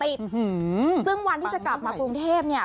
อื้อฮือซึ่งวันที่จะกลับมากรมเทพเนี้ย